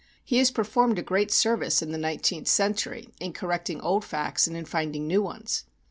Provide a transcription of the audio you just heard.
He has performed a great service in the nineteenth century in correcting old facts and in finding new ones.